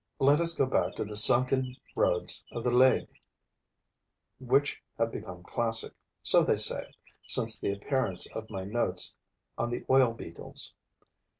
Let us go back to the sunken roads of the Legue, which have become classic, so they say, since the appearance of my notes on the Oil beetles.